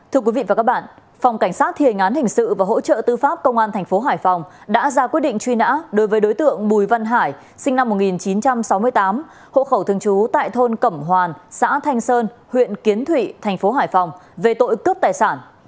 thưa quý vị và các bạn phòng cảnh sát thiền án hình sự và hỗ trợ tư pháp công an tp hải phòng đã ra quyết định truy nã đối với đối tượng bùi văn hải sinh năm một nghìn chín trăm sáu mươi tám hộ khẩu thường trú tại thôn cẩm hoàn xã thanh sơn huyện kiến thụy thành phố hải phòng về tội cướp tài sản